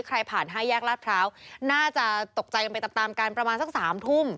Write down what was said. ผ่าน๕แยกลาดพร้าวน่าจะตกใจกันไปตามตามกันประมาณสัก๓ทุ่ม